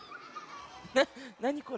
なにこれ？